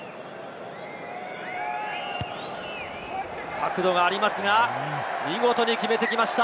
角度がありますが、見事に決めてきました！